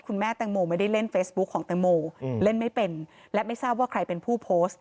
คุณแม่แตงโมไม่ได้เล่นเฟซบุ๊คของแตงโมเล่นไม่เป็นและไม่ทราบว่าใครเป็นผู้โพสต์